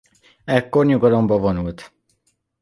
Ekkor nyugalomba vonult.